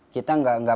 kita nggak percaya